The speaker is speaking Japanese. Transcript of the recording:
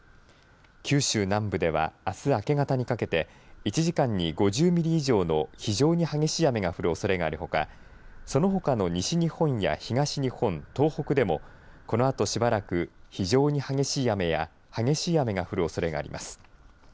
九州南部ではあす明け方にかけて１時間に５０ミリ以上の非常に激しい雨が降るおそれがあるほかそのほかの西日本や東日本、東北でもこのあとしばらく非常に激しい雨や激しい雨が降るおそれがあります。